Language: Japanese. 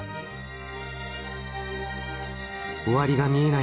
終わりが見えない